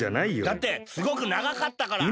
だってすごくながかったから。